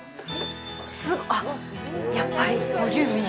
あっ、やっぱりボリューミー。